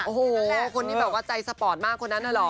โอ้โหคนนี้แบบว่าใจสปอร์ตมากคนนั้นน่ะเหรอ